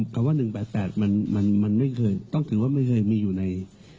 คำว่า๑๘๘มันไม่เคยต้องถือว่าไม่เคยมีอยู่ใน